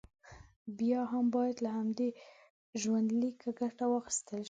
بیا هم باید له همدې ژوندلیکه ګټه واخیستل شي.